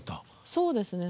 そうですね。